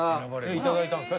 いただいたんですか？